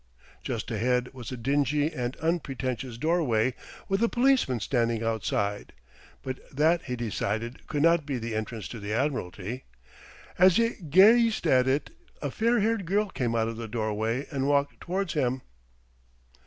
Just ahead was a dingy and unpretentious doorway with a policeman standing outside; but that he decided could not be the entrance to the Admiralty. As he gazed at it, a fair haired girl came out of the doorway and walked towards him.